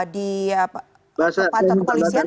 di tempat kepolisian